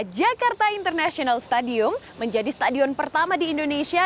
jakarta international stadium menjadi stadion pertama di indonesia